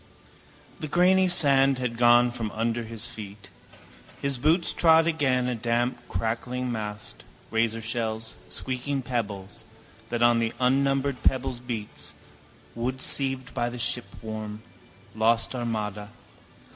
The grainy sand had gone from under his feet. His boots trod again a damp crackling mast, razorshells, squeaking pebbles, that on the unnumbered pebbles beats, wood sieved by the shipworm, lost Armada.